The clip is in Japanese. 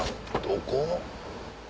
どこ？